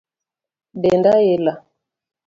Denda ila